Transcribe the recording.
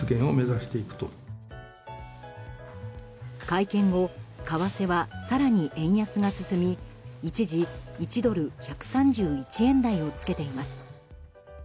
会見後為替は更に円安が進み一時１ドル＝１３１円台をつけています。